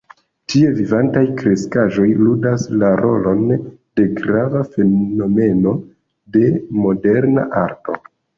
Tie vivantaj kreskaĵoj ludas la rolon de grava fenomeno de moderna arto.